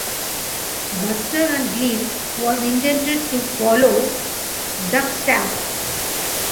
"Buster and Glen" was intended to follow "Duck Stab!